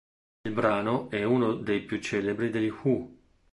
Il brano è uno dei più celebri degli Who.